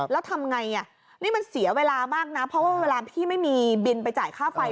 แล้วทำไงนี่มันเสียเวลามากนะเพราะว่าเวลาพี่ไม่มีบินไปจ่ายค่าไฟ